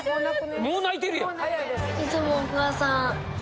もう泣いてるやん。